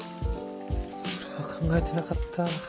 それは考えてなかった。